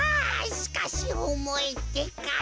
しかしおもいってか。